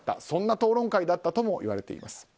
そんな討論会だったともいわれています。